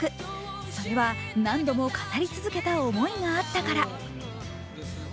それは何度も語り続けた思いがあったから。